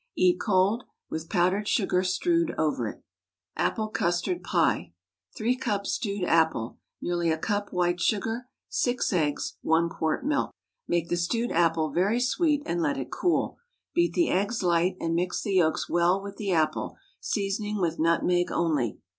Eat cold, with powdered sugar strewed over it. APPLE CUSTARD PIE. ✠ 3 cups stewed apple. Nearly a cup white sugar. 6 eggs. 1 quart milk. Make the stewed apple very sweet, and let it cool. Beat the eggs light, and mix the yolks well with the apple, seasoning with nutmeg only.